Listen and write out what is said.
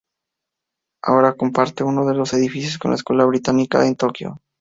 Ahora comparte uno de sus edificios con la Escuela Británica en Tokio.